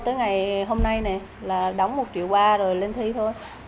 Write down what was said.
tới ngày hôm nay này là đóng một triệu ba rồi lên thi thôi